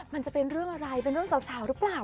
มันจะเป็นเรื่องอะไรเป็นเรื่องสาวหรือเปล่า